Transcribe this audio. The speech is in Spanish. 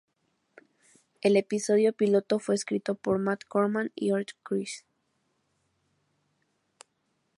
El episodio piloto fue escrito por Matt Corman y Ord Chris.